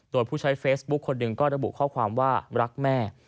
โดยผู้ใช้เฟซบุ๊คคนหนึ่งก็ระบุข้อความว่ารักแม่